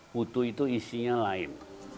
putu itu isinya lain